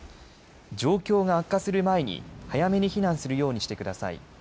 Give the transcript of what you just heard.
状況が悪化する前に早めに避難するようにしてください。